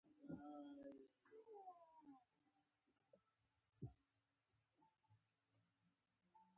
د اصطلاح او کلمې ترمنځ مشترک ټکي شته